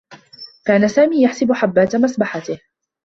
كان سامي يحسب حبّات مسبحته.